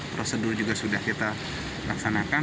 prosedur juga sudah kita laksanakan